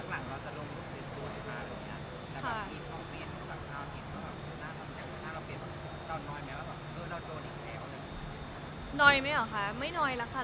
สักหลังเราจะลงปุ๊บลูบดิืนให้ละครับ